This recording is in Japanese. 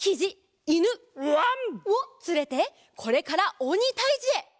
わん！をつれてこれからおにたいじへ！